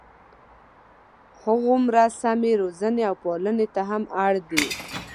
هغومره سمې روزنې او پالنې ته هم اړ دي.